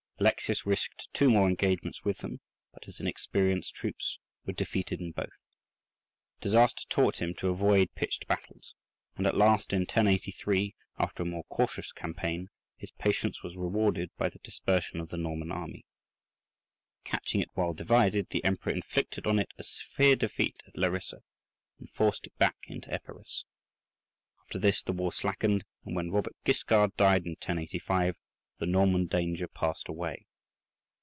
Alexius risked two more engagements with them, but his inexperienced troops were defeated in both. Disaster taught him to avoid pitched battles, and at last, in 1083, after a more cautious campaign, his patience was rewarded by the dispersion of the Norman army. Catching it while divided, the Emperor inflicted on it a severe defeat at Larissa, and forced it back into Epirus. After this the war slackened, and when Robert Guiscard died in 1085 the Norman danger passed away.